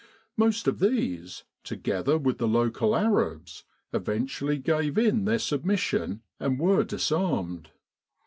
Most of these, together with the local Arabs, eventually gave in their submission and were disarmed.